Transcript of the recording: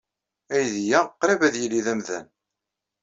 Aydi-a qrib ad yili d amdan.